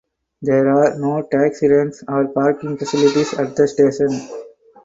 There are no taxi ranks or parking facilities at the station.